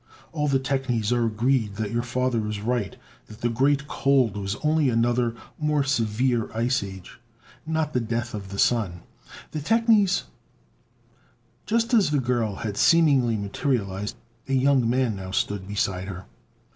"All the technies are agreed that your father is right, that the Great Cold was only another, more severe ice age not the death of the Sun. The technies "Just as the girl had seemingly materialized, a young man now stood beside her.